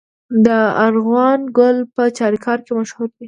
د ارغوان ګل په چاریکار کې مشهور دی.